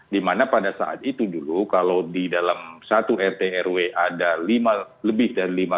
di mana pada saat itu dulu kalau di dalam satu rt dan rw ada lebih dari lima rumah tangga yang bergantung